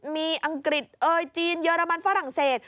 มีอังกฤษเอ่ยจีนเยอรมันฝรั่งเศส